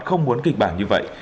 không muốn kịch bản như vậy